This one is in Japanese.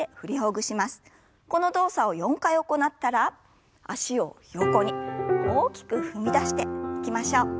この動作を４回行ったら脚を横に大きく踏み出していきましょう。